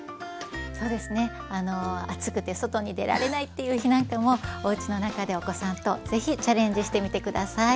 そうですね暑くて外に出られないっていう日なんかもおうちの中でお子さんと是非チャレンジしてみて下さい。